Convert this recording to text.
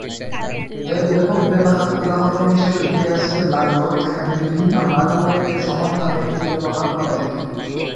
এর ব্যাপক ব্যবহার উদাহরণ হিসেবে উঠে আসতে লাগল যেখানে বিভিন্ন হার্ডওয়্যার এ সমানভাবে এটি ব্যবহার করা যেত।